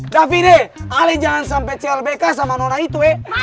davideh alih jangan sampai clbk sama nona itu ee